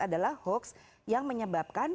adalah hoax yang menyebabkan